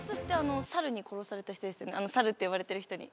猿って呼ばれてる人に。